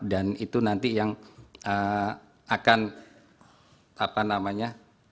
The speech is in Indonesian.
dan itu nanti yang akan apa namanya